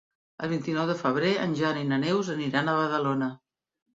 El vint-i-nou de febrer en Jan i na Neus aniran a Badalona.